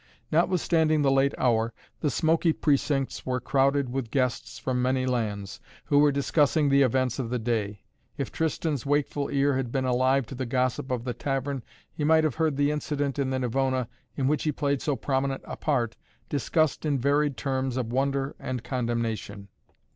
Notwithstanding the late hour, the smoky precincts were crowded with guests from many lands, who were discussing the events of the day. If Tristan's wakeful ear had been alive to the gossip of the tavern he might have heard the incident in the Navona, in which he played so prominent a part, discussed in varied terms of wonder and condemnation.